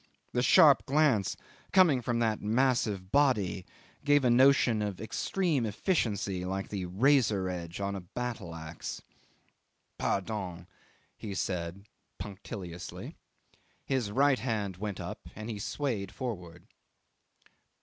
The sharp glance, coming from that massive body, gave a notion of extreme efficiency, like a razor edge on a battle axe. "Pardon," he said punctiliously. His right hand went up, and he swayed forward.